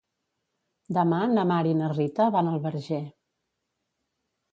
Demà na Mar i na Rita van al Verger.